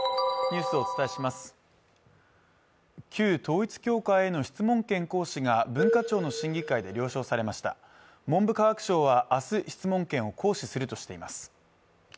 旧統一教会への質問権行使が文化庁の審議会で了承されました文部科学省はあす質問権を行使するとしています